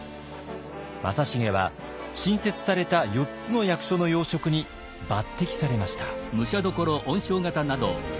正成は新設された４つの役所の要職に抜てきされました。